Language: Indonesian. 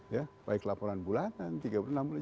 ya baik laporan bulanan tiga bulanan enam bulanan